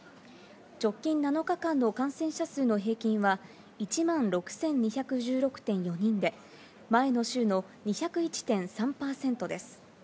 直近７日間の感染者数の平均は１万６２１６．４人で、前の週の２０１．３％です。